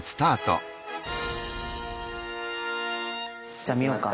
じゃあ見ようか。